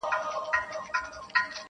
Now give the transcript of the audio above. ټول اعمال یې له اسلام سره پیوند کړل-